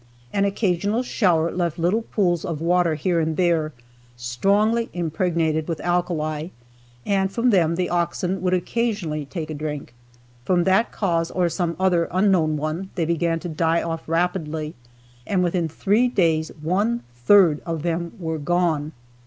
An occasional shower left little pools of water here and there, strongly impregnated with alkali, and from them the oxen would occasionally take a drink. From that cause, or some other unknown one, they began to die off rapidly, and within three days one third of them were gone.